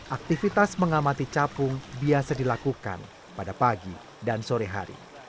aktivitas mengamati capung biasa dilakukan pada pagi dan sore hari